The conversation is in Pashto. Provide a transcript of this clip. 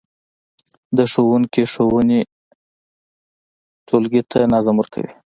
د ښوونکي ښوونې ټولګي ته نظم ورکوي.